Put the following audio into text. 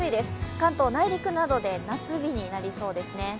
関東内陸などで夏日になりそうですね。